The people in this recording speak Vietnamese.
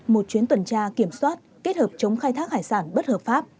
một chuyến tuần tra kiểm soát kết hợp chống khai thác hải sản bất hợp pháp